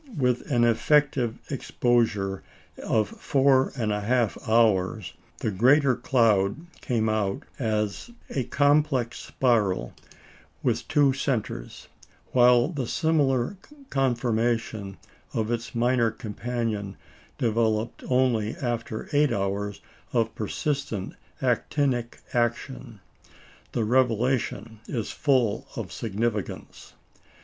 With an effective exposure of four and a half hours, the Greater Cloud came out as "a complex spiral, with two centres"; while the similar conformation of its minor companion developed only after eight hours of persistent actinic action. The revelation is full of significance.